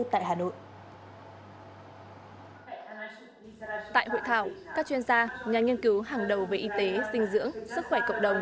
tại hội thảo các chuyên gia nhà nghiên cứu hàng đầu về y tế dinh dưỡng sức khỏe cộng đồng